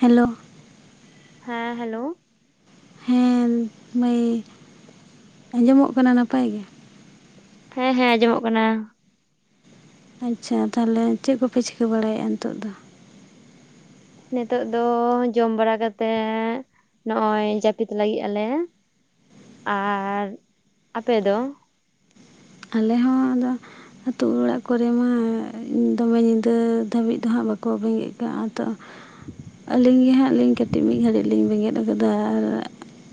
Hello ᱦᱮᱸ hello ᱦᱮᱸ ᱢᱟᱹᱭ ᱟᱸᱡᱚᱢᱚᱜ ᱠᱟᱱᱟ ᱱᱟᱯᱟᱭ ᱜᱮ ᱦᱮᱸ ᱦᱮᱸ ᱟᱸᱡᱚᱢᱚᱜ ᱠᱟᱱᱟ ᱟᱪᱪᱷᱟ ᱛᱟᱦᱞᱮ ᱪᱮᱫ ᱠᱚᱯᱮ ᱪᱤᱠᱟᱹ ᱵᱟᱲᱟᱭᱮᱜᱼᱟ ᱱᱤᱛᱚᱜ ᱫᱚ ᱱᱤᱛᱚᱜ ᱫᱚ ᱡᱚᱢ ᱵᱟᱲᱟ ᱠᱟᱛᱮᱜ ᱱᱚᱜᱼᱚᱭ ᱡᱟᱯᱤᱫ ᱞᱟᱜᱤᱫ ᱟᱞᱮ ᱟᱨ ᱟᱯᱮ ᱫᱚ ᱟᱞᱮ ᱦᱚᱸ ᱟᱫᱚ ᱟᱹᱛᱩ ᱚᱲᱟᱜ ᱠᱚᱨᱮ ᱢᱟ ᱫᱚᱢᱮ ᱧᱤᱫᱟᱹ ᱫᱷᱟᱹᱵᱤᱡ ᱫᱚ ᱦᱟᱸᱜ ᱵᱟᱠᱚ ᱵᱮᱸᱜᱮᱫ ᱠᱟᱜ-ᱟ ᱫᱚ ᱟᱞᱤᱧ ᱜᱮ ᱦᱟᱸᱜ ᱞᱤᱧ ᱠᱟᱹᱴᱤᱡ ᱢᱤᱫ ᱜᱷᱟᱹᱲᱤᱡ ᱞᱤᱧ ᱵᱮᱸᱜᱮᱫ ᱵᱮᱱᱜᱮᱫ ᱟ‌ ᱟᱨ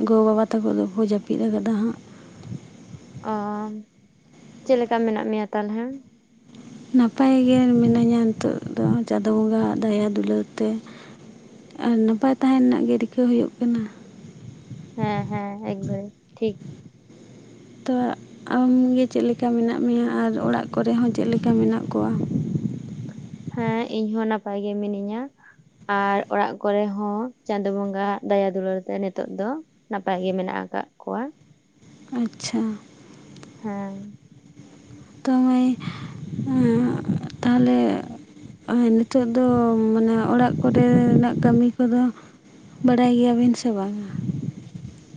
ᱜᱚ-ᱵᱟᱵᱟ ᱛᱟᱠᱚ ᱫᱚᱠᱚ ᱡᱟᱹᱯᱤᱫ ᱟᱠᱟᱫᱟ ᱦᱟᱸᱜ ᱚ ᱪᱮᱜ ᱞᱮᱠᱟ ᱢᱮᱱᱟᱜ ᱢᱮᱭᱟ ᱛᱟᱞᱦᱮ ᱱᱟᱯᱟᱭ ᱜᱮ ᱢᱤᱱᱟᱹᱧᱟ ᱱᱤᱛᱚᱜ ᱫᱚ ᱪᱟᱸᱫᱚ ᱵᱚᱸᱜᱟ-ᱟᱜ ᱫᱟᱭᱟ ᱫᱩᱞᱟᱹᱲ ᱛᱮ ᱟᱨ ᱱᱟᱯᱟᱭ ᱛᱟᱦᱮᱱ ᱨᱮᱱᱟᱜ ᱜᱮ ᱨᱤᱠᱟᱹ ᱦᱩᱭᱩᱜ ᱠᱟᱱᱟ ᱦᱮᱸ ᱦᱮᱸ ᱮᱠᱵᱟᱨᱮ ᱴᱷᱤᱠ ᱛᱚ ᱟᱢᱜᱮ ᱪᱮᱜ ᱞᱮᱠᱟ ᱢᱮᱱᱟᱜ ᱢᱮᱭᱟ ᱟᱨ ᱚᱲᱟᱜ ᱠᱚᱨᱮ ᱦᱚᱸ ᱪᱮᱜ ᱞᱮᱠᱟ ᱢᱮᱱᱟᱜ ᱠᱚᱣᱟ ᱦᱮᱸ ᱤᱧ ᱦᱚᱸ ᱱᱟᱯᱟᱭ ᱜᱮ ᱢᱤᱱᱟᱹᱧᱟ ᱟᱨ ᱚᱲᱟᱜ ᱠᱚᱨᱮ ᱦᱚ ᱪᱟᱸᱫᱳ ᱵᱚᱸᱜᱟ-ᱟᱜ ᱫᱟᱭᱟ ᱫᱩᱞᱟᱹᱲ ᱛᱮ ᱱᱤᱛᱚᱜ ᱫᱚ ᱱᱟᱯᱟᱭ ᱜᱮ ᱢᱮᱱᱟᱜ ᱠᱟᱜ ᱠᱚᱣᱟ ᱟᱪᱪᱷᱟ ᱦᱮᱸ ᱛᱚ ᱞᱟᱹᱭ ᱟᱸ ᱛᱟᱦᱚᱞᱮ ᱱᱤᱛᱚᱜ ᱫᱚ ᱢᱟᱱᱮ ᱚᱲᱟᱜ ᱠᱚᱨᱮᱱᱟᱜ ᱠᱟᱹᱢᱤ ᱠᱚᱫᱚ ᱵᱟᱲᱟᱭ ᱜᱮᱭᱟᱵᱤᱱ ᱥᱮ ᱵᱟᱝᱼᱟ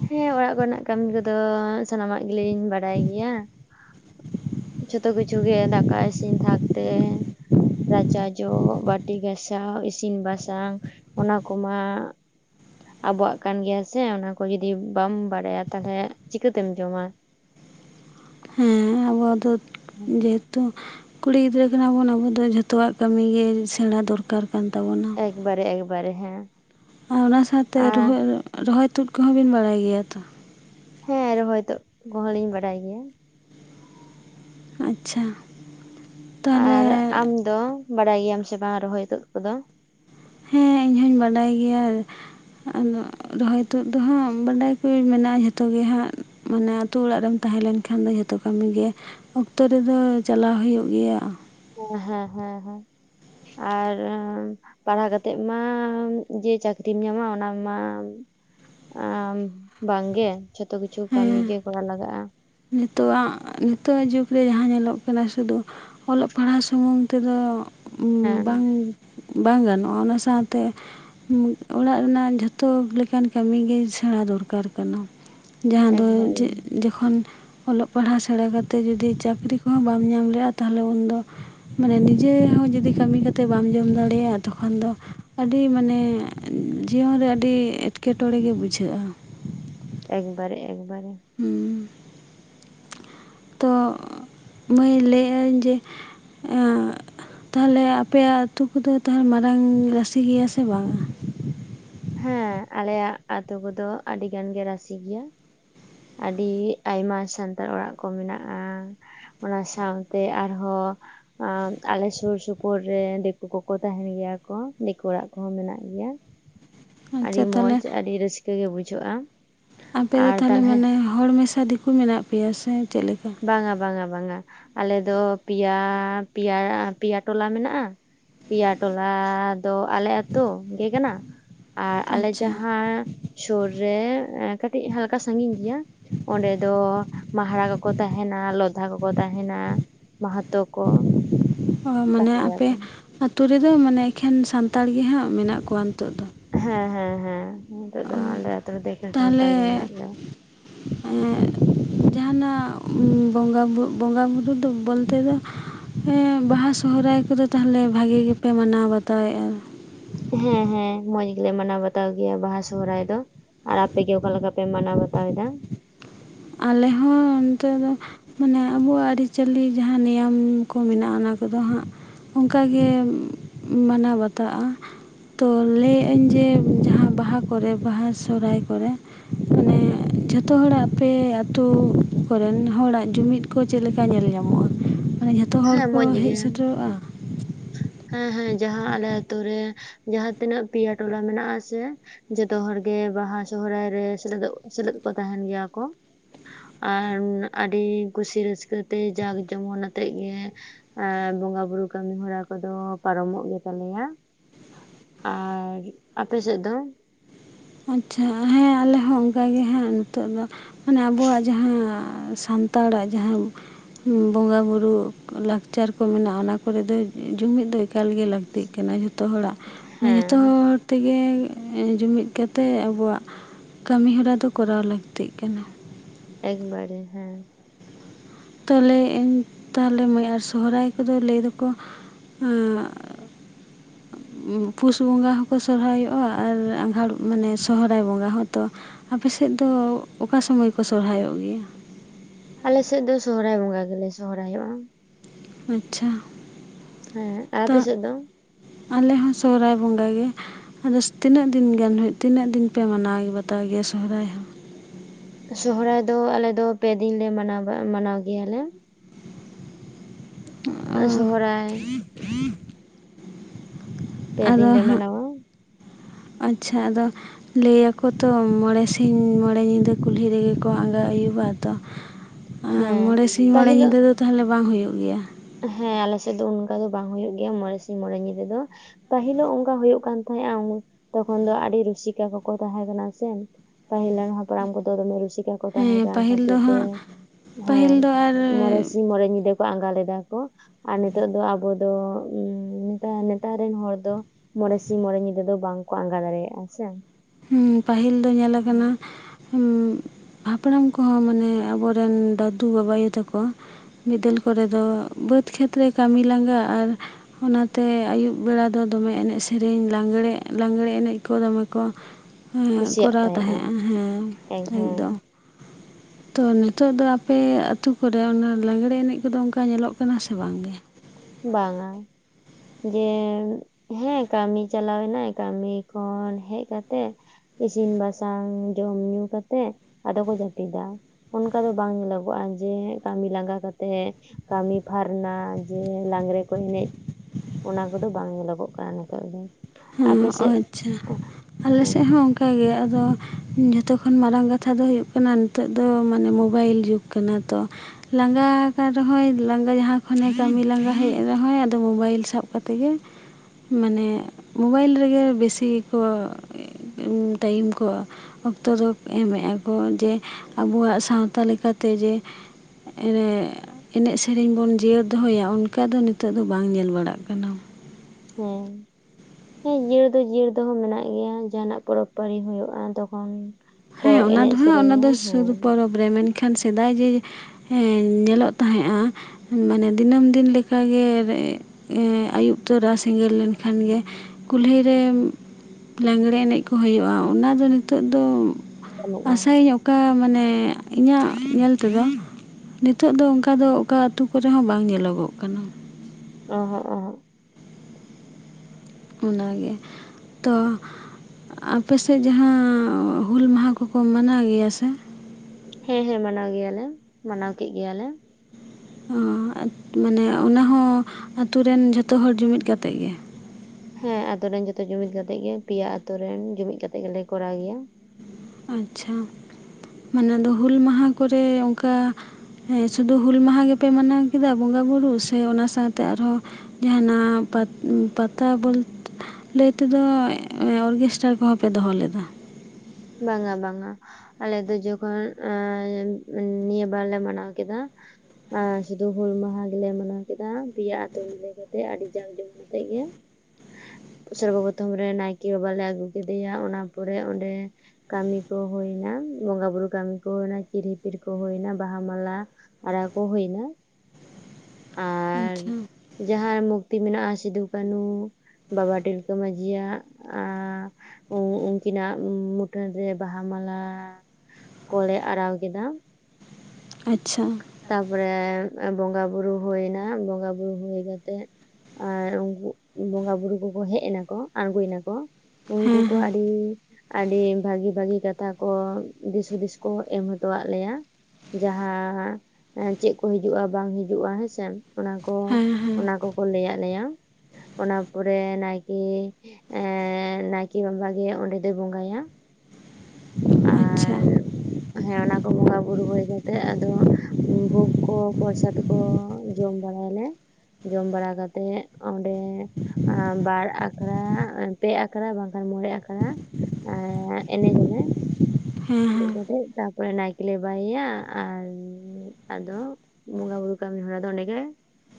ᱦᱮᱸ ᱚᱲᱟᱜ ᱠᱚᱨᱮᱱᱟᱜ ᱠᱟᱹᱢᱤ ᱠᱚᱫᱚ ᱥᱟᱱᱟᱢᱟᱜ ᱜᱮᱞᱤᱧ ᱵᱟᱰᱟᱭ ᱜᱮᱭᱟ ᱡᱷᱚᱛᱚ ᱠᱤᱪᱷᱩ ᱜᱮ ᱫᱟᱠᱟ ᱤᱥᱤᱱ ᱛᱟᱠᱛᱮ ᱨᱟᱪᱟ ᱡᱚᱜ ᱵᱟᱹᱴᱤ ᱜᱟᱥᱟᱣ ᱤᱥᱤᱱ ᱵᱟᱥᱟᱝ ᱚᱱᱟ ᱠᱚ ᱢᱟ ᱟᱵᱚᱣᱟᱜ ᱠᱟᱱ ᱜᱮᱭᱟ ᱥᱮ ᱚᱱᱟ ᱠᱚ ᱡᱩᱫᱤ ᱵᱟᱢ ᱵᱟᱲᱟᱭᱟ ᱛᱟᱦᱚᱞᱮ ᱪᱤᱠᱟᱹᱛᱮᱢ ᱡᱚᱢᱟ ᱦᱮᱸ ᱟᱵᱚᱣᱟᱜ ᱫᱚ ᱡᱮᱦᱮᱛᱩ ᱠᱩᱲᱤ ᱜᱤᱫᱽᱨᱟᱹ ᱠᱟᱱᱟ ᱵᱚᱱ ᱟᱵᱚ ᱫᱚ ᱡᱷᱚᱛᱚᱣᱟᱜ ᱠᱟᱹᱢᱤ ᱜᱮ ᱥᱮᱬᱟ ᱫᱚᱨᱠᱟᱨ ᱠᱟᱱ ᱛᱟᱵᱚᱱᱟ ᱮᱠᱵᱟᱨᱮ ᱮᱠᱵᱟᱨᱮ ᱦᱮᱸ ᱟᱨ ᱚᱱᱟ ᱥᱟᱶᱛᱮ ᱟᱨ ᱨᱚᱦᱚ ᱨᱚᱦᱚᱭ ᱛᱩᱫ ᱠᱚᱦᱚᱸ ᱵᱤᱱ ᱵᱟᱲᱟᱭ ᱜᱮᱭᱟ ᱛᱚ ᱦᱮᱸ ᱨᱚᱦᱚᱭ ᱛᱚᱜ ᱠᱚᱦᱚᱸ ᱞᱤᱧ ᱵᱟᱰᱟᱭ ᱜᱮᱭᱟ ᱟᱪᱪᱷᱟ ᱟᱨ ᱛᱟᱦᱚᱞᱮ ᱟᱢ ᱫᱚ ᱵᱟᱲᱟᱭ ᱜᱮᱭᱟᱢ ᱥᱮ ᱵᱟᱝ ᱨᱚᱦᱚᱭ ᱛᱳᱫ ᱠᱚᱫᱚ ᱦᱮᱸ ᱤᱧ ᱦᱚᱧ ᱵᱟᱰᱟᱭ ᱜᱮᱭᱟ ᱟᱫᱚ ᱨᱚᱦᱚᱭ ᱛᱩᱫ ᱫᱚ ᱦᱟᱸᱜ ᱵᱟᱰᱟᱭ ᱠᱚ ᱢᱮᱱᱟᱜ-ᱟ ᱡᱷᱚᱛᱚ ᱜᱮ ᱦᱟᱸᱜ ᱢᱟᱱᱮ ᱟᱛᱳ ᱚᱲᱟᱜ ᱨᱮᱢ ᱛᱟᱦᱮᱸ ᱞᱮᱱᱠᱷᱟᱱ ᱫᱚ ᱡᱷᱚᱛᱚ ᱠᱟᱹᱢᱤ ᱜᱮ ᱚᱠᱛᱚ ᱨᱮᱫᱚ ᱪᱟᱞᱟᱣ ᱦᱩᱭᱩᱜ ᱜᱮᱭᱟ ᱳ ᱦᱮᱸ ᱦᱮᱸ ᱦᱮᱸ ᱦᱮᱸ ᱟᱨ ᱯᱟᱲᱦᱟᱣ ᱠᱟᱛᱮᱫ ᱢᱟ ᱡᱮ ᱪᱟᱹᱠᱨᱤᱢ ᱧᱟᱢᱟ ᱚᱱᱟ ᱢᱟ ᱟ ᱵᱟ ᱝᱜᱮ ᱡᱷᱚᱛᱚ ᱠᱤᱪᱷᱩ ᱠᱟᱹᱢᱤ ᱜᱮ ᱠᱚᱨᱟᱣ ᱞᱟᱜᱟᱜ-ᱟ ᱱᱤᱛᱚᱜ ᱟᱜ ᱱᱤᱛᱚᱜ ᱟᱜ ᱡᱩᱜᱽ ᱨᱮ ᱡᱟᱦᱟ ᱧᱮᱞᱚᱜ ᱠᱟᱱᱟ ᱥᱩᱫᱩ ᱚᱞᱚᱜ ᱯᱟᱲᱦᱟᱜ ᱥᱩᱢᱩᱝ ᱛᱮᱫᱚ ᱦᱮᱸ ᱵᱟᱝ ᱵᱟᱝ ᱜᱟᱱᱚᱜ-ᱟ ᱚᱱᱟ ᱥᱟᱶᱛᱮ ᱚᱲᱟᱜ ᱨᱮᱱᱟᱜ ᱡᱷᱚᱛᱚ ᱞᱮᱠᱟᱱ ᱠᱟᱹᱢᱤ ᱜᱮ ᱥᱮᱲᱟ ᱫᱚᱨᱠᱟᱨ ᱠᱟᱱᱟ ᱡᱟᱦᱟ ᱫᱚ ᱮᱠᱵᱟᱨᱮ ᱡᱮ ᱡᱚᱠᱷᱚᱱ ᱚᱞᱚᱜ ᱯᱟᱲᱦᱟᱜ ᱥᱮᱲᱟ ᱠᱟᱛᱮᱫ ᱡᱩᱫᱤ ᱪᱟᱹᱠᱨᱤ ᱠᱚᱦᱚ ᱵᱟᱢ ᱧᱟᱢ ᱞᱮᱫ-ᱟ ᱛᱟᱦᱚᱞᱮ ᱩᱱᱫᱚ ᱢᱟᱱᱮ ᱱᱤᱡᱮ ᱦᱚᱸ ᱡᱩᱫᱤ ᱠᱟᱹᱢᱤ ᱠᱟᱛᱮᱫ ᱵᱟᱢ ᱡᱚᱢ ᱫᱟᱲᱮᱭᱟᱜ-ᱟ ᱛᱚᱠᱷᱚᱱ ᱫᱚ ᱟᱹᱰᱤ ᱢᱟᱱᱮ ᱡᱤᱭᱚᱱ ᱨᱮ ᱟᱹᱰᱤ ᱮᱴᱠᱮ ᱴᱚᱬᱮ ᱜᱮ ᱵᱩᱡᱷᱟᱹᱜ-ᱟ ᱮᱠᱵᱟᱨᱮ ᱮᱠᱵᱟᱨᱮ ᱦᱩᱸ ᱛᱚ ᱢᱟᱹᱭ ᱞᱟᱹᱭ ᱮᱫ ᱟᱹᱧ ᱡᱮ ᱛᱟᱦᱚᱞᱮ ᱟᱯᱮᱭᱟᱜ ᱟᱛᱳ ᱠᱚᱫᱚ ᱛᱟᱦᱚᱞᱮ ᱢᱟᱨᱟᱝ ᱨᱟᱥᱤ ᱜᱮᱭᱟ ᱥᱮ ᱵᱟᱝᱟ ᱦᱮᱸ ᱟᱞᱮᱭᱟᱜ ᱟᱛᱳ ᱠᱚᱫᱚ ᱟᱹᱰᱤ ᱜᱟᱱ ᱜᱮ ᱨᱟᱥᱤ ᱜᱮᱭᱟ ᱟᱹᱰᱤ ᱟᱭᱢᱟ ᱥᱟᱱᱛᱟᱲ ᱚᱲᱟᱜ ᱠᱚ ᱢᱮᱱᱟᱜ-ᱟ ᱚᱱᱟ ᱥᱟᱶᱛᱮ ᱟᱨᱦᱚ ᱟᱸ ᱟᱞᱮ ᱥᱩᱨ ᱥᱩᱯᱩᱨ ᱨᱮ ᱫᱤᱠᱩ ᱠᱚᱠᱚ ᱛᱟᱦᱮᱱ ᱜᱮᱭᱟ ᱠᱚ ᱫᱤᱠᱩ ᱚᱲᱟᱜ ᱠᱚᱦᱚ ᱢᱮᱱᱟᱜ ᱜᱮᱭᱟ ᱟᱹᱰᱤ ᱟᱪᱪᱷᱟ ᱛᱟᱦᱚᱞᱮ ᱢᱚᱸᱡᱽ ᱟᱹᱰᱤ ᱨᱟᱹᱥᱠᱟᱹ ᱜᱮ ᱵᱩᱡᱷᱟᱹᱜᱼᱟ ᱟᱯᱮ ᱫᱚ ᱛᱟᱦᱚᱞᱮ ᱢᱟᱱᱮ ᱦᱚᱲ ᱢᱮᱥᱟ ᱫᱤᱠᱩ ᱢᱮᱱᱟᱜ ᱯᱮᱭᱟ ᱥᱮ ᱪᱮᱫ ᱞᱮᱠᱟ ᱵᱟᱝᱟ ᱵᱟᱝᱟ ᱵᱟᱝᱟ ᱟᱞᱮ ᱫᱚ ᱯᱮᱭᱟ ᱯᱮᱭᱟ ᱯᱮᱭᱟ ᱴᱚᱞᱟ ᱢᱮᱱᱟᱜᱼᱟ ᱯᱮᱭᱟ ᱴᱚᱞᱟ ᱫᱚ ᱟᱞᱮ ᱟᱛᱳ ᱜᱮ ᱠᱟᱱᱟ ᱟᱨ ᱟᱞᱮ ᱟᱪᱪᱷᱟ ᱡᱟᱦᱟ ᱥᱩᱨ ᱨᱮ ᱮᱸ ᱠᱟᱹᱴᱤᱡ ᱦᱟᱞᱠᱟ ᱥᱟᱜᱤᱧ ᱜᱮᱭᱟ ᱚᱸᱰᱮ ᱫᱚ ᱢᱟᱦᱟᱨᱟ ᱠᱚ ᱠᱚ ᱛᱟᱦᱮᱱᱟ ᱞᱚᱫᱷᱟ ᱠᱚᱠᱚ ᱛᱟᱦᱮᱱᱟ ᱢᱟᱦᱟᱛᱚ ᱠᱚ ᱚ ᱢᱟᱱᱮ ᱛᱟᱦᱮᱸᱭᱟ ᱟᱯᱮ ᱠᱚ ᱟᱛᱳ ᱨᱮᱫᱚ ᱢᱟᱱᱮ ᱮᱠᱷᱮᱱ ᱥᱟᱱᱛᱟᱲ ᱜᱮ ᱦᱟᱸᱜ ᱢᱮᱱᱟᱜ ᱠᱚᱣᱟ ᱱᱤᱛᱚᱜ ᱫᱚ ᱦᱮᱸ ᱦᱮᱸ ᱦᱮᱸ ᱱᱤᱛᱚᱜ ᱚ ᱫᱚ ᱟᱞᱮ ᱟᱛᱳ ᱨᱮᱫᱚ ᱮᱠᱮᱱ ᱥᱟᱱᱛᱟᱲ ᱜᱮ ᱢᱮᱱᱟᱜ ᱞᱮᱭᱟ ᱮᱸ ᱡᱟᱦᱟᱱᱟᱜ ᱵᱚᱸᱜᱟ ᱵᱚᱸᱜᱟ ᱵᱩᱨᱩ ᱫᱚ ᱵᱚᱞᱛᱮ ᱫᱚ ᱦᱮᱸ ᱵᱟᱦᱟ ᱥᱚᱦᱨᱟᱭ ᱠᱚᱫᱚ ᱛᱟᱦᱚᱞᱮ ᱵᱷᱟᱜᱤ ᱜᱮᱯᱮ ᱢᱟᱱᱟᱣ ᱵᱟᱛᱟᱣᱮᱫᱼᱟ ᱦᱮᱸ ᱦᱮᱸ ᱢᱚᱸᱡᱽ ᱜᱮᱞᱮ ᱢᱟᱱᱟᱣ ᱵᱟᱛᱟᱣ ᱜᱮᱭᱟ ᱵᱟᱦᱟ ᱥᱚᱦᱨᱟᱭ ᱫᱚ ᱟᱨ ᱟᱯᱮ ᱜᱮ ᱚᱠᱟ ᱞᱮᱠᱟ ᱯᱮ ᱢᱟᱱᱟᱣ ᱵᱟᱛᱟᱣ ᱮᱫᱟ ᱟᱞᱮ ᱦᱚᱸ ᱚᱱᱛᱮ ᱫᱚ ᱢᱟᱱᱮ ᱟᱵᱚᱣᱟᱜ ᱟᱹᱨᱤᱪᱟᱹᱞᱤ ᱡᱟᱦᱟ ᱱᱮᱭᱚᱢ ᱠᱚ ᱢᱮᱱᱟᱜᱼᱟ ᱚᱱᱟ ᱠᱚᱫᱚ ᱦᱟᱸᱜ ᱚᱱᱠᱟ ᱜᱮ ᱢᱟᱱᱟᱣ ᱵᱟᱛᱟᱣᱚᱜᱼᱟ ᱛᱚ ᱞᱟᱹᱭ ᱮᱫ ᱟᱹᱧ ᱡᱮ ᱡᱟᱦᱟ ᱵᱟᱦᱟ ᱠᱚᱨᱮ ᱵᱟᱦᱟ ᱥᱚᱦᱨᱟᱭ ᱠᱚᱨᱮ ᱢᱟᱱᱮ ᱡᱷᱚᱛᱚ ᱦᱚᱲᱟᱜ ᱟᱯᱮ ᱟᱛᱳ ᱠᱚᱨᱮᱱ ᱦᱚᱲᱟᱜ ᱡᱩᱢᱤᱫ ᱠᱚ ᱪᱮᱫ ᱞᱮᱠᱟ ᱧᱮᱞ ᱧᱟᱢᱚᱜᱼᱟ ᱢᱟᱱᱮ ᱡᱷᱚᱛ ᱛᱚ ᱦᱚᱲ ᱦᱮᱸ ᱠᱚ ᱢᱚᱸᱡᱽ ᱜᱮ ᱦᱮᱡ ᱥᱮᱴᱮᱨᱚᱜᱼᱟ᱾ ᱦᱮᱸ, ᱦᱮᱸ, ᱡᱟᱦᱟᱸ ᱟᱞᱮ ᱟᱛᱳ ᱨᱮ ᱡᱟᱦᱟ ᱛᱤᱱᱟᱹᱜ ᱯᱮᱭᱟ ᱴᱚᱞᱟ ᱢᱮᱱᱟᱜ ᱟᱥᱮ᱾ ᱡᱚᱛᱚ ᱦᱚᱲ ᱜᱮ ᱵᱟᱦᱟ ᱥᱚᱦᱚᱨᱟᱭ ᱨᱮ ᱥᱮᱞᱮᱫᱚᱜ ᱥᱮᱞᱮᱫ ᱠᱚ ᱛᱟᱦᱮᱱ ᱜᱮᱭᱟ ᱠᱚ᱾ ᱟᱨ ᱟᱹᱰᱤ ᱠᱩᱥᱤ ᱨᱟᱹᱥᱠᱟᱹᱛᱮ ᱡᱟᱠ ᱡᱮᱢᱚᱱ ᱟ ᱛᱮᱜ ᱜᱮ ᱮᱸ ᱵᱚᱸᱜᱟ ᱵᱩᱨᱩ ᱠᱟᱹᱢᱤ ᱦᱚᱨᱟ ᱠᱚᱫᱚ ᱯᱟᱨᱚᱢᱚᱜ ᱜᱮᱛᱟ ᱞᱮᱭᱟ᱾ ᱟᱨ ᱟᱯᱮ ᱥᱮᱡ ᱫᱚ? ᱟᱪᱪᱷᱟ ᱦᱮᱸ ᱟᱞᱮ ᱦᱚᱸ ᱚᱱᱠᱟ ᱜᱮ ᱦᱟᱸᱜ ᱱᱤᱛᱚᱜ ᱫᱚ᱾ ᱢᱟᱱᱮ ᱟᱵᱚᱣᱟᱜ ᱡᱟᱦᱟᱸ ᱥᱟᱱᱛᱟᱲᱟᱜ ᱡᱟᱦᱟᱸ ᱦᱩᱸ ᱵᱚᱸᱜᱟᱼᱵᱩᱨᱩ ᱞᱟᱠᱪᱟᱨ ᱠᱚ ᱢᱮᱱᱟᱜᱼᱟ, ᱚᱱᱟ ᱠᱚᱨᱮ ᱫᱚ ᱡᱩᱢᱤᱫ ᱫᱚ ᱮᱠᱟᱞ ᱜᱮ ᱞᱟᱹᱠᱛᱤᱜ ᱠᱟᱱᱟ, ᱡᱷᱚ ᱛᱚ ᱦᱚᱲᱟᱜ ᱢᱟᱱᱮ ᱡᱷᱚᱛᱚ ᱦᱮᱸ ᱦᱚᱲ ᱛᱮᱜᱮ ᱮᱸ ᱡᱩᱢᱤᱫ ᱠᱟ ᱛᱮ ᱟᱵᱚᱣᱟᱜ ᱠᱟᱹᱢᱤ ᱦᱚᱨᱟ ᱫᱚ ᱠᱚᱨᱟᱣ ᱞᱟᱹᱠᱛᱤᱜ ᱠᱟᱱᱟ᱾ ᱮᱠᱵᱟᱨᱮ ᱦᱮᱸ᱾ ᱛᱟᱦᱚᱞᱮ ᱮᱝ ᱛᱟᱦᱚᱞᱮ ᱢᱟᱹᱭ ᱟᱨ ᱥᱚᱦᱚᱨᱟᱭ ᱠᱚᱫᱚ ᱞᱟᱹᱭ ᱫᱚᱠᱚ ᱦᱩᱸ ᱩᱸ ᱯᱩᱥ ᱵᱚᱸᱜᱟ ᱦᱚᱸᱠᱚ ᱥᱚᱦᱚᱨᱟᱭᱚᱜᱼᱟ ᱟᱨ ᱟᱸᱜᱷᱟᱲ ᱢᱟᱱᱮ ᱥᱚᱦᱚᱨᱟᱭ ᱵᱚᱸᱜᱟ ᱦᱚᱸᱛᱚ᱾ ᱟᱯᱮ ᱥᱮᱡ ᱫᱚ ᱚᱠᱟ ᱥᱚᱢᱚᱭ ᱠᱚ ᱥᱚᱦᱚᱨᱟᱭᱚᱜ ᱜᱮᱭᱟ? ᱟᱞᱮ ᱥᱮᱡ ᱫᱚ ᱥᱚᱦᱚᱨᱟᱭ ᱵᱚᱸᱜᱟ ᱜᱮᱞᱮ ᱥᱚᱦᱚᱨᱟᱭᱚᱜᱼᱟ᱾ ᱟᱪᱪᱷᱟ᱾ ᱦᱮᱸ ᱟᱯᱮ ᱛᱚ ᱥᱮᱡ ᱫᱚ? ᱟᱞᱮ ᱦᱚᱸ ᱥᱚᱦᱚᱨᱟᱭ ᱵᱚᱸᱜᱟ ᱜᱮ᱾ ᱵᱚᱥ ᱛᱤᱱᱟᱹᱜ ᱫᱤᱱ ᱜᱟᱱ ᱦᱩᱭᱩᱜ ᱛᱤᱱᱟᱹᱜ ᱫᱤᱱ ᱯᱮ ᱢᱟᱱᱟᱣ ᱵᱟᱛᱟᱣ ᱜᱮᱭᱟ ᱥᱚᱦᱚᱨᱟᱭ ᱦᱚᱸ? ᱥᱚᱦᱚᱨᱟᱭ ᱫᱚ ᱟᱞᱮ ᱫᱚ ᱯᱮᱫᱤᱱ ᱞᱮ ᱢᱟᱱᱟᱣ ᱵᱟ ᱢᱟᱱᱟᱣ ᱜᱮᱭᱟ ᱞᱮ᱾ ᱚ ᱥᱚᱦᱚᱨᱟᱭ᱾ ᱯᱮ ᱫᱤᱱ ᱟᱫᱚ ᱞᱮ ᱦᱟᱸᱜ ᱢᱟᱱᱟᱣᱟ ᱟᱪᱪᱷᱟ ᱟᱫᱚ ᱞᱟᱹᱭᱟᱠᱚ ᱛᱚ ᱢᱚᱬᱮ ᱥᱤᱧ ᱢᱚᱬᱮ ᱧᱤᱫᱟᱹ ᱠᱩᱞᱦᱤ ᱨᱮᱜᱮ ᱠᱚ ᱟᱸᱜᱟ ᱟᱹᱭᱩᱵᱟ ᱛᱚ᱾ ᱩᱸ ᱦᱮᱸ ᱢᱚᱬᱮ ᱥᱤᱧ ᱢᱚᱬᱮ ᱯᱟᱹᱦᱤᱞᱚᱜ ᱧᱤᱫᱟᱹ ᱫᱚ ᱛᱮᱦᱮᱱ ᱫᱚ ᱵᱟᱝ ᱦᱩᱭᱩᱜ ᱜᱮᱭᱟ᱾ ᱦᱮᱸ ᱟᱞᱮ ᱥᱮᱡ ᱫᱚ ᱚᱱᱠᱟ ᱫᱚ ᱵᱟᱝ ᱦᱩᱭᱩᱜ ᱜᱮᱭᱟ ᱢᱚᱬᱮ ᱥᱤᱧ ᱢᱚᱬᱮ ᱧᱤᱫᱟᱹ ᱫᱚ᱾ ᱯᱟᱹᱦᱤᱞᱚᱜ ᱚᱱᱠᱟ ᱦᱩᱭᱩᱜ ᱠᱟᱱ ᱛᱟᱦᱮᱸᱜᱼᱟ ᱚᱱᱮ ᱛᱚᱠᱷᱚᱱ ᱫᱚ ᱟᱹᱰᱤ ᱨᱩᱥᱤᱠᱟ ᱠᱚᱠᱚ ᱛᱟᱦᱮᱸ ᱠᱟᱱᱟ ᱥᱮ᱾ ᱯᱟᱦᱤᱞᱟᱝ ᱦᱟᱯᱟᱲᱟᱢ ᱠᱚᱫᱚ ᱫᱚᱢᱮ ᱨᱩᱥᱤᱠᱟ᱾ ᱠᱚ ᱛᱟᱦᱮᱸ ᱦᱮᱸ ᱠᱟᱱ ᱯᱟᱹᱦᱤᱞ ᱫᱚ ᱠᱷᱟᱹᱛᱤᱨ ᱛᱮ ᱦᱟᱸᱜ ᱯᱟᱹᱦᱤᱞ ᱦᱮᱸ ᱫᱚ ᱟᱨ ᱢᱚᱬᱮ ᱥᱤᱧ ᱢᱚᱬᱮ ᱧᱤᱫᱟᱹ ᱠᱚ ᱟᱸᱜᱟ ᱞᱮᱫᱟ᱾ ᱠᱚ ᱟᱨ ᱱᱤᱛᱚᱜ ᱫᱚ ᱟᱵᱚ ᱫᱚ ᱱᱮᱛᱟ-ᱱᱮᱛᱟᱨ ᱨᱮᱱ ᱦᱚᱲ ᱫᱚ ᱢᱚᱬᱮ ᱥᱤᱧ ᱢᱚᱬᱮ ᱧᱤᱫᱟᱹ ᱫᱚ ᱵᱟᱝ ᱠᱚ ᱟᱸᱜᱟ ᱫᱟᱲᱮᱭᱟᱜᱼᱟ ᱥᱮ᱾ ᱦᱩᱸ, ᱯᱟᱹᱦᱤᱞ ᱫᱚ ᱧᱮᱞ ᱟᱠᱟᱱᱟ᱾ ᱦᱩᱸ, ᱦᱟᱯᱲᱟᱢ ᱠᱚᱦᱚᱸ ᱢᱟᱱᱮ ᱟᱵᱚ ᱨᱮᱱ ᱫᱟᱫᱩ ᱵᱟᱵᱟᱭᱩ ᱛᱟᱠᱚ᱾ ᱵᱤᱫᱟᱹᱞ ᱠᱚᱨᱮ ᱫᱚ ᱵᱟᱹᱫᱽ ᱠᱷᱮᱛ ᱨᱮ ᱠᱟᱹᱢᱤ ᱞᱟᱸᱜᱟ ᱟᱨ ᱚᱱᱟ ᱛᱮ ᱟᱹᱭᱩᱵ ᱵᱮᱲᱟ ᱫᱚ ᱫᱚᱢᱮ ᱮᱱᱮᱡ ᱥᱮᱨᱮᱧ ᱞᱟᱝᱲᱮ ᱞᱟᱝᱲᱮ ᱮᱱᱮᱡ ᱠᱚ ᱫᱚᱢᱮ ᱠᱚ ᱦᱮᱸ ᱠᱩᱥᱤᱭᱟᱜ ᱠᱚᱨᱟᱣ ᱛᱟᱦᱮᱸᱜᱼᱟ ᱛᱟᱸᱦᱮᱸᱜᱼᱟ ᱦᱮᱸ ᱦᱮᱸ ᱮᱠᱫᱚᱢ᱾ ᱛᱚ ᱱᱤᱛᱚᱜ ᱫᱚ ᱟᱯᱮ ᱟᱛᱩ ᱠᱚᱨᱮ ᱚᱱᱟ ᱞᱟᱜᱽᱲᱮ ᱮᱱᱮᱡ ᱠᱚᱫᱚ ᱚᱝᱠᱟ ᱧᱮᱞᱚᱜ ᱠᱟᱱᱟ ᱥᱮ ᱵᱟᱝ ᱜᱮ? ᱵᱟᱝᱟ᱾ ᱡᱮ ᱦᱮᱸ ᱠᱟᱹᱢᱤ ᱪᱟᱞᱟᱣ ᱱᱟᱭ ᱠᱟᱹᱢᱤ ᱠᱷᱚᱱ ᱦᱮᱡ ᱠᱟᱛᱮᱜ ᱤᱥᱤᱱ ᱵᱟᱥᱟᱝ ᱡᱚᱢ ᱧᱩ ᱠᱟᱛᱮᱜ ᱟᱫᱚ ᱠᱚ ᱡᱟᱹᱯᱤᱫᱟ᱾ ᱚᱱᱠᱟ ᱫᱚ ᱵᱟᱝ ᱧᱮᱞᱚᱜᱚᱜ-ᱟ ᱡᱮ ᱠᱟᱹᱢᱤ ᱞᱟᱸᱜᱟ ᱠᱟᱛᱮᱜ ᱠᱟᱹᱢᱤ ᱯᱷᱟᱨᱱᱟ ᱡᱮ ᱞᱟᱝᱲᱮ ᱠᱚ ᱮᱱᱮᱡ ᱚᱱᱟ ᱠᱚᱫᱚ ᱵᱟᱝ ᱧᱮᱞᱚᱜᱚᱜ ᱠᱟᱱᱟ ᱱᱤᱛᱚᱜ ᱫᱚ᱾ ᱦᱮᱸ ᱟᱯᱮ ᱥᱮᱫ ᱟᱪᱪᱷᱟ ᱦᱮᱸ ᱟᱞᱮᱥᱮᱜ ᱦᱚᱸ ᱚᱝ ᱠᱟ ᱜᱮ ᱟᱫᱚ ᱡᱚᱛᱚ ᱠᱷᱚᱱ ᱢᱟᱨᱟᱝ ᱠᱟᱛᱷᱟ ᱫᱚ ᱦᱩᱭᱩᱜ ᱠᱟᱱᱟ ᱱᱤᱛᱚᱜ ᱫᱚ ᱢᱟᱱᱮ ᱢᱳᱵᱟᱭᱤᱞ ᱡᱩᱜᱽ᱾ ᱠᱟᱱᱟ ᱛᱚ᱾ ᱞᱟᱸᱜᱟ ᱟᱠᱟᱱ ᱨᱮᱦᱚᱸᱭ ᱞᱟᱸᱜᱟ ᱡᱟᱦᱟᱸ ᱠᱷᱚᱱᱮ ᱠᱟᱹᱢᱤ ᱞᱟᱸᱜᱟ ᱦᱮᱡ ᱨᱮᱦᱚᱸ ᱟᱫᱚ ᱢᱳᱵᱟᱭᱤᱞ ᱥᱟᱵ ᱠᱟᱛᱮ ᱜᱮ ᱢᱟᱱᱮ ᱢᱳᱵᱟᱭᱤᱞ ᱨᱮᱜᱮ ᱵᱮᱥᱤ ᱠᱚ ᱩᱸ ᱴᱟᱭᱤᱢ ᱠᱚ ᱚᱠᱛᱚ ᱫᱚ ᱮᱢ ᱮᱜᱼᱟ ᱠᱚ ᱡᱮ ᱟᱵᱚᱣᱟᱜ ᱥᱟᱶᱛᱟ ᱞᱮᱠᱟᱛᱮ ᱡᱮ ᱮᱸ᱾ ᱮᱱᱮᱡ, ᱥᱮᱨᱮᱧ ᱵᱚᱱ ᱡᱤᱭᱟᱹᱲ ᱫᱚᱦᱚᱭᱟ ᱚᱱᱠᱟ ᱫᱚ ᱱᱤᱛᱚᱜ ᱫᱚ ᱵᱟᱝ ᱧᱮᱞ ᱵᱟᱲᱟᱜ ᱠᱟᱱᱟ᱾ ᱦᱮᱸ᱾ ᱦᱮᱸ ᱡᱤᱭᱟᱹᱲ ᱫᱚ ᱡᱤᱭᱟᱹᱲ ᱫᱚᱦᱚᱸ ᱢᱮᱱᱟᱜ ᱜᱮᱭᱟ, ᱡᱟᱦᱟᱱᱟᱜ ᱯᱚᱨᱚᱵᱽ ᱯᱟᱦᱟᱲᱤ ᱦᱩᱭᱩᱜ-ᱟ ᱛᱚᱠᱷᱚᱱ᱾ ᱠᱚ ᱦᱮᱸ ᱚᱱᱟ ᱮᱱᱮᱡ ᱫᱚ ᱦᱟᱸᱜ ᱚᱱᱟ ᱥᱮᱨᱮᱧᱟ ᱫᱚ ᱥᱩᱨ ᱦᱮᱸ ᱯᱚᱨᱚᱵᱽ ᱨᱮ, ᱢᱮᱱᱠᱷᱟᱱ ᱥᱮᱫᱟᱭ ᱡᱮ ᱦᱮᱸ ᱧᱮᱞᱚᱜ ᱛᱟᱦᱮᱸᱜ-ᱟ᱾ ᱢᱟᱱᱮ ᱫᱤᱱᱟᱹᱢ ᱫᱤᱱ ᱞᱮᱠᱟᱜᱮ ᱮᱸᱦᱮᱸ ᱟᱹᱭᱩᱵ ᱛᱚᱨᱟ, ᱥᱤᱸᱜᱟᱹᱲ ᱞᱮᱱᱠᱷᱟᱱ ᱜᱮ ᱠᱩᱞᱦᱤ ᱨᱮᱢ ᱞᱟᱜᱽᱲᱮ ᱮᱱᱮᱡ ᱠᱚ ᱦᱳᱭᱳᱜ-ᱟ᱾ ᱚᱱᱟᱫᱚ ᱱᱤᱛᱚᱜ ᱫᱚ ᱵᱟᱹᱱᱩᱜᱼᱟ ᱟᱥᱟᱭᱟᱹᱧ ᱚᱠᱟ ᱢᱟᱱᱮ ᱤᱧᱟᱹᱜ ᱧᱮᱞ ᱛᱮᱫᱚ ᱱᱤᱛᱚᱜ ᱫᱚ ᱚᱝᱠᱟ ᱫᱚ ᱚᱠᱟ ᱟᱛᱩ ᱠᱚᱨᱮ ᱦᱚᱸ ᱵᱟᱝ ᱧᱮᱞᱚᱜᱚᱜ ᱠᱟᱱᱟ᱾ ᱚ ᱦᱚᱸ ᱚᱸᱦᱚᱜ᱾ ᱚᱱᱟᱜᱮ᱾ ᱛᱚ ᱟᱯᱮᱥᱮ ᱡᱟᱦᱟᱸ, ᱦᱩᱞ ᱢᱟᱦᱟ ᱠᱚᱠᱚ ᱢᱟᱱᱟᱣ ᱜᱮᱭᱟ ᱥᱮ? ᱦᱮᱸ ᱦᱮᱸ ᱢᱟᱱᱟᱣ ᱜᱮᱭᱟᱞᱮ, ᱢᱟᱱᱟᱣ ᱠᱮᱜ ᱜᱮᱭᱟᱞᱮ᱾ ᱟ ᱟᱹᱫ ᱢᱟᱱᱮ ᱚᱱᱟ ᱦᱚᱸ ᱟᱛᱩ ᱨᱮᱱ ᱡᱚᱛᱚ ᱦᱚᱲ ᱡᱩᱢᱤᱫ ᱠᱟᱛᱮᱜ ᱜᱮ᱾ ᱦᱮᱸ ᱟᱛᱳ ᱨᱮᱱ ᱡᱚᱛᱚ ᱡᱩᱢᱤᱫ ᱠᱟᱛᱮᱜ ᱜᱮ, ᱯᱮᱭᱟ ᱟᱛᱳ ᱨᱮᱱ ᱡᱩᱢᱤᱫ ᱠᱟᱛᱮᱜ ᱜᱮᱞᱮ ᱠᱚᱨᱟᱣ ᱜᱮᱭᱟ᱾ ᱟᱪᱪᱷᱟ᱾ ᱢᱟᱱᱮ ᱫᱚ ᱦᱩᱞ ᱢᱟᱦᱟ ᱠᱚᱨᱮ ᱚᱝᱠᱟ ᱦᱮᱸ, ᱥᱩᱫᱷᱩ ᱦᱩᱞ ᱢᱟᱦᱟ ᱜᱮᱯᱮ ᱢᱟᱱᱟᱣ ᱠᱮᱫᱟ ᱵᱚᱸᱜᱟ ᱵᱩᱨᱩ ᱥᱮ ᱚᱱᱟ ᱥᱟᱶᱛᱮ ᱟᱨᱦᱚᱸ ᱡᱟᱦᱱᱟᱜ ᱯᱟᱛ, ᱯᱟᱛᱟ ᱵᱚᱞᱛᱮ ᱞᱟᱹᱭ ᱛᱮᱫᱚ, ᱮᱸ ᱚᱨᱜᱮᱥᱴᱟᱨ ᱠᱚᱦᱚᱸᱯᱮ ᱫᱚᱦᱚ ᱞᱮᱫᱟ᱾ ᱵᱟᱝᱟ, ᱵᱟᱝᱟ᱾ ᱟᱞᱮ ᱫᱚ ᱡᱚᱠᱷᱚᱱ ᱟᱨ ᱮᱸ ᱱᱤᱭᱟᱹ ᱵᱟᱨ ᱞᱮ ᱢᱟᱱᱟᱣ ᱠᱮᱫᱟ᱾ ᱟᱨ ᱥᱩᱫᱩ ᱦᱩᱞ ᱢᱟᱦᱟ ᱜᱮᱞᱮ ᱢᱟᱱᱟᱣ ᱠᱮᱫᱟ, ᱫᱤᱭᱟ ᱟᱛᱩ ᱢᱤᱞᱟᱹᱣ ᱠᱟᱛᱮᱜ ᱟᱹᱰᱤ ᱡᱟᱠ ᱡᱚᱢᱚᱠ ᱛᱮ ᱜᱮ᱾ ᱥᱚᱨᱵᱚ ᱯᱨᱚᱛᱷᱚᱢ ᱨᱮ ᱱᱟᱭᱠᱮ ᱵᱟᱵᱟ ᱞᱮ ᱟᱹᱜᱩ ᱠᱮᱫᱮᱭᱟ᱾ ᱚᱱᱟ ᱯᱚᱨᱮ ᱚᱸᱰᱮ ᱠᱟᱹᱢᱤ ᱠᱚ ᱦᱩᱭᱱᱟ, ᱵᱚᱸᱜᱟ ᱵᱩᱨᱩ ᱠᱟᱹᱢᱤ ᱠᱚ ᱦᱩᱭᱱᱟ, ᱪᱤᱨ ᱦᱤᱯᱤᱲ ᱠᱚ ᱦᱩᱭᱱᱟ, ᱵᱟᱦᱟ ᱢᱟᱞᱟ ᱟᱨᱟᱣ ᱠᱚ ᱦᱩᱭᱱᱟ᱾ [inaudible] ᱟᱨ ᱟᱪᱪᱷᱟ᱾ ᱡᱟᱦᱟᱸ ᱨᱮ ᱢᱩᱠᱛᱤ ᱢᱮᱱᱟᱜᱼᱟ ᱥᱤᱫᱩ ᱠᱟᱹᱱᱦᱩ᱾ ᱵᱟᱵᱟ ᱴᱤᱞᱠᱟᱹ ᱢᱟᱹᱡᱷᱤᱭᱟᱜ, ᱟᱸ ᱩᱸ ᱩᱝᱠᱤᱱᱟᱜ ᱢᱩᱴᱟᱹᱱ ᱨᱮ ᱵᱟᱦᱟ ᱢᱟᱞᱟ ᱠᱚᱞᱮ ᱟᱨᱟᱣ ᱠᱮᱫᱟ᱾ ᱟᱪᱪᱷᱟ᱾ ᱛᱟᱯᱚᱨᱮ ᱵᱚᱸᱜᱟ ᱵᱩᱨᱩ ᱦᱩᱭᱱᱟ, ᱵᱚᱸᱜᱟ ᱵᱩᱨᱩ ᱦᱩᱭ ᱠᱟᱛᱮᱜ᱾ ᱟᱨ ᱩᱱᱠᱩ ᱵᱚᱸᱜᱟ ᱵᱩᱨᱩ ᱠᱚᱠᱚ ᱦᱮᱡ ᱮᱱᱟᱠᱚ ᱟᱬᱜᱚᱭᱱᱟᱠᱚ᱾ ᱩᱱᱠᱩ ᱦᱮᱸ ᱠᱚ ᱦᱮᱸ ᱟᱹᱰᱤ, ᱟᱹᱰᱤ ᱵᱷᱟᱹᱜᱤ ᱵᱷᱟᱹᱜᱤ ᱠᱟᱛᱷᱟ ᱠᱚ ᱫᱤᱥ ᱦᱩᱫᱤᱥ ᱠᱚ ᱮᱢ ᱦᱚᱴᱚᱣᱟᱜ ᱞᱮᱭᱟ ᱡᱟᱦᱟᱸ ᱦᱟᱸ, ᱪᱮᱫ ᱠᱚ ᱦᱤᱡᱩᱜᱼᱟ ᱵᱟᱝ ᱦᱤᱡᱩᱜᱼᱟ, ᱦᱮᱸᱥᱮ᱾ ᱚᱱᱟ ᱠᱚ ᱦᱮᱸ ᱦᱮᱸ ᱚᱱᱟ ᱠᱚ ᱠᱚ ᱞᱟᱹᱭᱼᱟᱫ ᱞᱮᱭᱟ᱾ ᱚᱱᱟ ᱯᱚᱨᱮ ᱱᱟᱭᱠᱮ, ᱮᱻ ᱱᱟᱭᱠᱮ ᱵᱟᱵᱟ ᱜᱮ ᱚᱸᱰᱮ ᱫᱚᱭ ᱵᱚᱸᱜᱟᱭᱟ᱾ ᱟᱪᱪᱷᱟ ᱟᱨ ᱦᱮᱸ ᱚᱱᱟᱠᱚ ᱵᱚᱸᱜᱟ ᱵᱩᱨᱩ ᱦᱩᱭ ᱠᱟᱛᱮᱜ, ᱟᱫᱚ ᱵᱷᱚᱜᱽ ᱠᱚ ᱯᱚᱭᱥᱟ ᱛᱮᱠᱚ ᱡᱚᱢ ᱵᱟᱲᱟᱭᱟᱞᱮ᱾ ᱡᱚᱢ ᱵᱟᱲᱟ ᱠᱟᱛᱮᱜ, ᱚᱸᱰᱮ ᱟᱸ ᱵᱟᱨ ᱟᱠᱷᱲᱟ ᱟᱱ ᱯᱮ ᱟᱠᱷᱲᱟ ᱵᱟᱝᱠᱷᱟᱱ ᱢᱚᱬᱮ ᱟᱠᱷᱲᱟ ᱮᱻ ᱮᱱᱮᱡ ᱟᱞᱮ᱾ ᱦᱮᱸ ᱦᱮᱸ᱾ ᱛᱟᱯᱚᱨᱮ, ᱛᱟᱯᱚᱨᱮ ᱱᱟᱭᱠᱮᱞᱮ ᱵᱟᱹᱭ ᱮᱭᱟ ᱟᱨ ᱟᱫᱚ ᱵᱚᱸᱜᱟ ᱵᱩᱨᱩ ᱠᱟᱢᱤ ᱦᱚᱨᱟ ᱫᱚ ᱚᱸᱰᱮ ᱜᱮ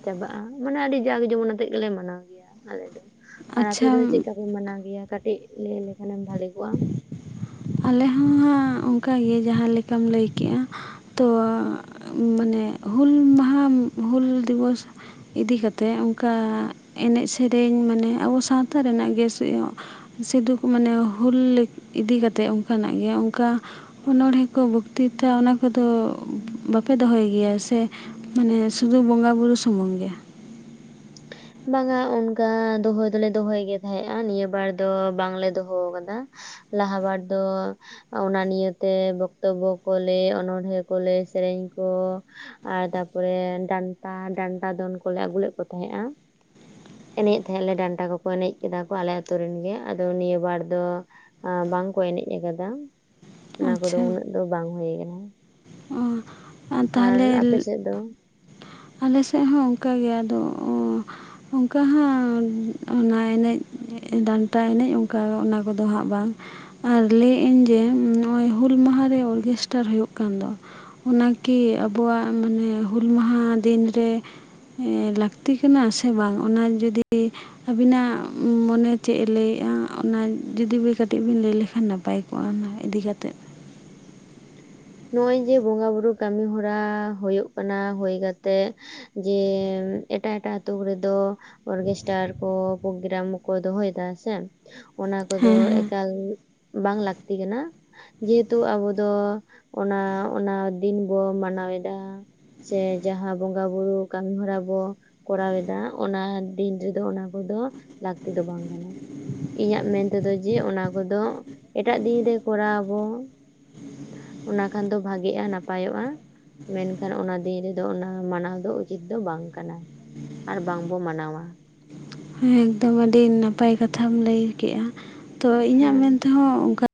ᱪᱟᱵᱟᱜᱼᱟ᱾ ᱢᱟᱱᱮ ᱟᱰᱤ ᱡᱟᱸᱠ ᱡᱚᱢᱚᱱ ᱟᱛᱮᱜ ᱜᱮᱞᱮ ᱢᱟᱱᱟᱣ ᱜᱮᱭᱟ, ᱟᱞᱮ ᱫᱚ᱾ ᱟᱨ ᱟᱯᱮ ᱟᱪᱪᱷᱟ ᱫᱚ ᱪᱮᱫ ᱞᱮᱠᱟᱯᱮ ᱢᱟᱱᱟᱣ ᱜᱮᱭᱟ? ᱠᱟᱴᱤᱡ ᱞᱟᱹᱭ ᱞᱮᱠᱷᱟᱱᱮᱢ ᱵᱷᱟᱞᱮ ᱠᱚᱜᱼᱟ᱾ ᱟᱞᱮ ᱦᱚᱸ ᱦᱟᱸᱜ ᱚᱱᱠᱟᱜᱮ, ᱡᱟᱦᱟᱸ ᱞᱮᱠᱟᱢ ᱞᱟᱹᱭ ᱠᱮᱜᱼᱟ᱾ ᱛᱚ ᱢᱟᱱᱮ ᱦᱩᱞ ᱢᱟᱦᱟ, ᱦᱩᱞ ᱫᱤᱵᱚᱥ ᱤᱫᱤ ᱠᱟᱛᱮ ᱚᱱᱠᱟ ᱮᱱᱮᱡ ᱥᱮᱨᱮᱧ ᱢᱟᱱᱮ ᱟᱵᱚ ᱥᱟᱶᱛᱟ ᱨᱮᱱᱟᱜ ᱜᱮ ᱥᱤᱫᱩ ᱢᱟᱱᱮ ᱦᱩᱞ ᱤᱫᱤ ᱠᱟᱛᱮ ᱚᱱᱠᱟᱱᱟᱜ ᱜᱮ ᱚᱱᱠᱟ ᱚᱱᱚᱲᱦᱮᱸ ᱠᱚ ᱵᱚᱠᱛᱤᱛᱟ ᱚᱱᱟ ᱠᱚᱫᱚ ᱵᱟᱯᱮ ᱫᱚᱦᱚᱭ ᱜᱮᱭᱟ ᱥᱮ ᱢᱟᱱᱮ ᱥᱩᱫᱩ ᱵᱚᱸᱜᱟ ᱵᱩᱨᱩ ᱥᱩᱢᱩᱝ ᱜᱮ ᱵᱟᱝᱟ ᱚᱱᱠᱟ ᱫᱚᱦᱚᱭ ᱫᱚᱞᱮ ᱫᱚᱦᱚᱭ ᱜᱮ ᱛᱟᱦᱮᱸᱫᱼᱟ ᱱᱤᱭᱟᱹ ᱵᱟᱨ ᱫᱚ ᱵᱟᱝᱞᱮ ᱫᱚᱦᱚ ᱟᱠᱟᱫᱟ ᱞᱟᱦᱟ ᱵᱟᱨ ᱫᱚ ᱚᱱᱟ ᱱᱤᱭᱟᱹ ᱛᱮ ᱵᱚᱠᱛᱚᱵᱵᱚ ᱠᱚ ᱞᱟᱹᱭ ᱚᱱᱚᱲᱦᱮ ᱠᱚ ᱞᱟᱹᱭ ᱥᱮᱨᱮᱧ ᱠᱚ ᱟᱨ ᱛᱟᱯᱚᱨᱮ ᱰᱟᱱᱴᱟ ᱰᱟᱱᱴᱟ ᱫᱚᱱ ᱠᱚᱞᱮ ᱟᱹᱜᱩ ᱞᱮᱫ ᱠᱚ ᱛᱟᱦᱮᱸᱫᱼᱟ ᱮᱱᱮᱡ ᱛᱟᱦᱮᱸᱫ ᱞᱮ ᱰᱟᱱᱴᱟ ᱠᱚᱠᱚ ᱮᱱᱮᱡ ᱠᱮᱫᱟ ᱠᱚ ᱟᱞᱮ ᱟᱛᱳ ᱨᱮᱱ ᱜᱮ ᱟᱫᱚ ᱱᱤᱭᱟᱹ ᱵᱟᱨ ᱫᱚ ᱟ ᱵᱟᱝ ᱠᱚ ᱮᱱᱮᱡ ᱟᱠᱟᱫᱟ ᱚᱱᱟ ᱠᱚᱫᱚ ᱟᱪᱪᱷᱟ ᱩᱱᱟᱹᱜ ᱫᱚ ᱵᱟᱝ ᱦᱳᱭ ᱟᱠᱟᱱᱟ ᱚ ᱟᱨ ᱟᱯᱮ ᱛᱟᱦᱚᱞᱮ ᱥᱮᱫ ᱫᱚ ᱟᱞᱮ ᱥᱮᱫ ᱦᱚᱸ ᱚᱱᱠᱟ ᱜᱮ ᱟᱫᱚ ᱚᱱᱠᱟ ᱦᱟᱸᱜ ᱚᱱᱟ ᱮᱱᱮᱡ ᱰᱟᱱᱴᱟ ᱮᱱᱮᱡ ᱚᱱᱠᱟ ᱚᱱᱟ ᱠᱚᱫᱚ ᱦᱟᱸᱜ ᱵᱟᱝ ᱟᱨ ᱞᱟᱹᱭᱮᱫ ᱟᱹᱧ ᱡᱮ ᱱᱚᱜᱚᱭ ᱦᱩᱞ ᱢᱟᱦᱟ ᱨᱮ ᱚᱨᱜᱮᱥᱴᱟᱨ ᱦᱩᱭᱩᱜ ᱠᱟᱱ ᱫᱚ ᱚᱱᱟ ᱠᱤ ᱟᱵᱚᱣᱟᱜ ᱢᱟᱱᱮ ᱦᱩᱞ ᱢᱟᱦᱟ ᱫᱤᱱ ᱨᱮ ᱞᱟᱠᱛᱤ ᱠᱟᱱᱟ ᱥᱮ ᱵᱟᱝ ᱚᱱᱟ ᱡᱩᱫᱤ ᱟᱵᱤᱱᱟᱜ ᱢᱚᱱᱮ ᱪᱮᱫ ᱮ ᱞᱟᱹᱭ ᱮᱫᱼᱟ ᱚᱱᱟ ᱡᱩᱫᱤ ᱠᱟᱹᱴᱤᱡ ᱵᱤᱱ ᱞᱟᱹᱭ ᱞᱮᱠᱷᱟᱱ ᱱᱟᱯᱟᱭ ᱠᱚᱜ-ᱟ ᱚᱱᱟ ᱤᱫᱤ ᱠᱟᱛᱮᱫ ᱱᱚᱜ ᱚᱭ ᱡᱮ ᱵᱚᱸᱜᱟ ᱵᱩᱨᱩ ᱠᱟᱹᱢᱤ ᱦᱚᱨᱟ ᱦᱳᱭᱳᱜ ᱠᱟᱱᱟ ᱦᱳᱭ ᱠᱟᱛᱮᱜ ᱡᱮᱹ ᱮᱴᱟᱜ ᱮᱴᱟᱜ ᱟᱛᱳ ᱠᱚᱨᱮ ᱫᱚ ᱚᱨᱜᱮᱥᱴᱟᱨ ᱠᱚ ᱯᱨᱚᱜᱨᱟᱢ ᱠᱚ ᱫᱚᱦᱚᱭᱮᱫᱟ ᱥᱮ ᱚᱱᱟ ᱠᱚᱫᱚ ᱦᱮᱸ ᱦᱮᱸ ᱮᱠᱟᱞ ᱵᱟᱝ ᱞᱟᱠᱛᱤ ᱠᱟᱱᱟ ᱡᱮᱦᱮᱛᱩ ᱟᱵᱚ ᱫᱚ ᱚᱱᱟ ᱚᱱᱟ ᱫᱤᱱ ᱵᱚ ᱢᱟᱱᱟᱣ ᱮᱫᱟ ᱥᱮ ᱡᱟᱦᱟ ᱵᱚᱸᱜᱟ ᱵᱩᱨᱩ ᱠᱟᱢᱤ ᱦᱚᱨᱟ ᱵᱚ ᱠᱚᱨᱟᱣ ᱮᱫᱟ ᱚᱱᱟ ᱫᱤᱱ ᱨᱮᱫᱚ ᱚᱱᱟ ᱠᱚᱫᱚ ᱞᱟᱠᱛᱤ ᱫᱚ ᱵᱟᱝ ᱠᱟᱱᱟ ᱤᱧᱟᱜ ᱢᱮᱱ ᱛᱮᱫᱚ ᱡᱮ ᱚᱱᱟ ᱠᱚᱫᱚ ᱮᱴᱟᱜ ᱫᱤᱱ ᱨᱮ ᱠᱚᱨᱟᱣ ᱟᱵᱚ ᱚᱱᱟ ᱠᱷᱟᱱ ᱫᱚ ᱵᱷᱟᱜᱤᱜᱼᱟ ᱱᱟᱯᱟᱭᱚᱜᱼᱟ ᱢᱮᱱᱠᱷᱟᱱ ᱚᱱᱟ ᱫᱤᱱ ᱨᱮᱫᱚ ᱚᱱᱟ ᱢᱟᱱᱟᱣ ᱫᱚ ᱩᱪᱤᱛ ᱫᱚ ᱵᱟᱝ ᱠᱟᱱᱟ ᱟᱨ ᱵᱟᱝ ᱵᱚ ᱢᱟᱱᱟᱣᱟ ᱦᱮᱸ ᱮᱠᱫᱚᱢ ᱟᱹᱰᱤ ᱱᱟᱯᱟᱭ ᱠᱟᱛᱷᱟᱢ ᱞᱟᱹᱭ ᱠᱮᱜᱼᱟ ᱛᱚ ᱤᱧᱟᱜ ᱦᱮᱸ ᱢᱮᱱ ᱛᱮᱦᱚ ᱚᱱᱠᱟ